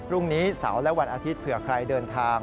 พรุ่งนี้เสาร์และวันอาทิตย์เผื่อใครเดินทาง